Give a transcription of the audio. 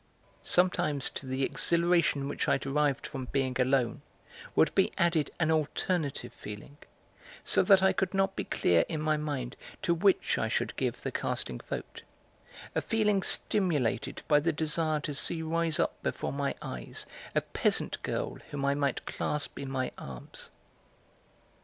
Sometimes to the exhilaration which I derived from being alone would be added an alternative feeling, so that I could not be clear in my mind to which I should give the casting vote; a feeling stimulated by the desire to see rise up before my eyes a peasant girl whom I might clasp in my arms.